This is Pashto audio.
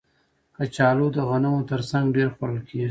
کچالو د غنمو تر څنګ ډېر خوړل کېږي